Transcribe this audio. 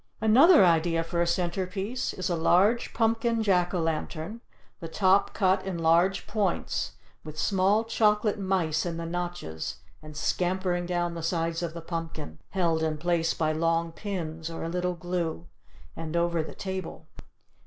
Another idea for a center piece is a large pumpkin Jack o' lantern, the top cut in large points with small chocolate mice in the notches and scampering down the sides of the pumpkin (held in place by long pins or a little glue) and over the table.